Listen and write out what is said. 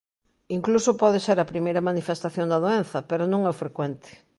Incluso pode ser a primeira manifestación da doenza, pero non é o frecuente.